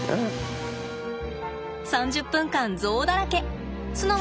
３０分間ゾウだらけ。